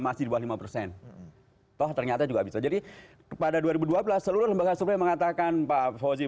masih di bawah lima persen toh ternyata juga bisa jadi pada dua ribu dua belas seluruh lembaga survei mengatakan pak fauzi